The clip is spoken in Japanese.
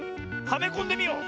はめこんでみよう！